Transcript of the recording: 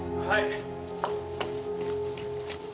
はい！